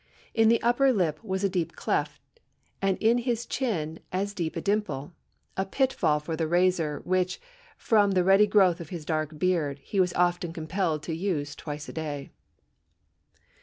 In the upper lip was a deep cleft, and in his chin as deep a dimple a pitfall for the razor, which, from the ready growth of his dark beard, he was often compelled to use twice a day."